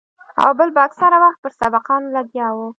او بل به اکثره وخت پر سبقانو لګيا وو.